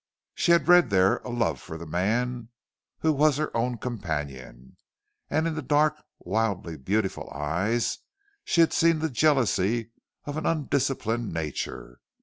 She had read there a love for the man who was her own companion, and in the dark, wildly beautiful eyes she had seen the jealousy of an undisciplined nature.